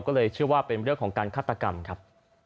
ก็เลยเชื่อว่าเป็นเรื่องของการฆาตกรรมครับ